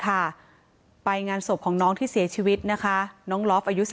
แต่มันถือปืนมันไม่รู้นะแต่ตอนหลังมันจะยิงอะไรหรือเปล่าเราก็ไม่รู้นะ